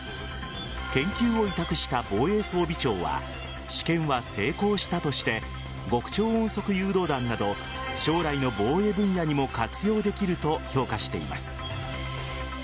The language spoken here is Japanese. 研究を委託した防衛装備庁は試験は成功したとして極超音速誘導弾など将来の防衛分野にも活用できると評価しています。